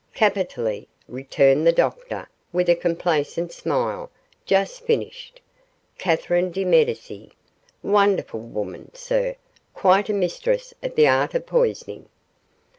'Capitally,' returned the doctor, with a complacent smile; 'just finished "Catherine de Medici" wonderful woman, sir quite a mistress of the art of poisoning.